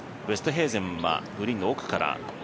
ウェストヘーゼンはグリーンの奥から。